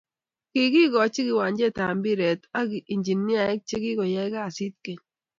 Kikikechi kiwanjet ab mpiret ak injiniek che kikoyai kasit keny